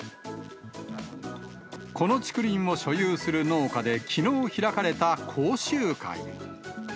この竹林を所有する農家できのう開かれた講習会。